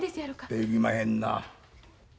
できまへんな。